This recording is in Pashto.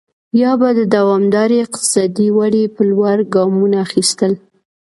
یا به د دوامدارې اقتصادي ودې په لور ګامونه اخیستل.